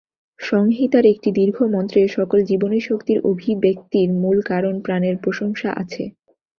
সংহিতার একটি দীর্ঘ মন্ত্রে সকল জীবনীশক্তির অভিব্যক্তির মূল কারণ প্রাণের প্রশংসা আছে।